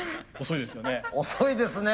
遅いですよね。